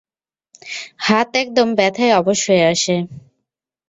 হাত একদম ব্যথায় অবশ হয়ে আসে।